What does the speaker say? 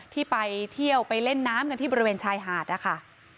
ที่ไปเที่ยวไปเล่นน้ำกันที่บริเวณชายหาดนะคะ